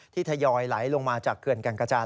ทยอยไหลลงมาจากเขื่อนแก่งกระจาน